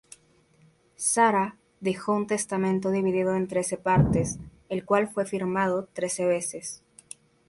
Sarah dejó un testamento dividido en trece partes, el cual fue firmado trece veces.